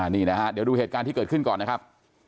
นี่นะฮะเดี๋ยวดูเหตุการณ์ที่เกิดขึ้นก่อนนะครับ